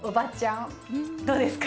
どうですか？